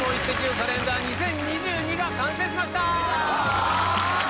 カレンダー２０２２が完成しました！